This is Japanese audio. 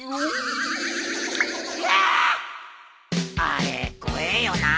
あれ怖えよな。